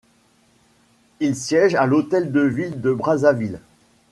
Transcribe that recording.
Il siège à l'hôtel de ville de Brazzaville.